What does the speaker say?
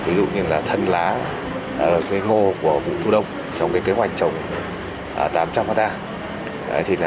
ví dụ như là thân lá cây ngô của vụ thu đông trong kế hoạch trồng tám trăm linh hectare